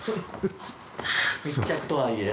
密着とはいえ。